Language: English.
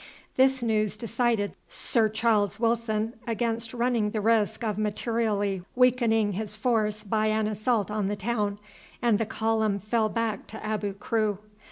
This news decided Sir Chas. Wilson against running the risk of materially weakening his force by an assault on the town, and the column fell back to Abu Kru.